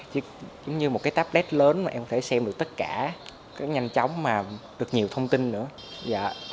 giống như một cái tablet lớn mà em có thể xem được tất cả có nhanh chóng mà được nhiều thông tin nữa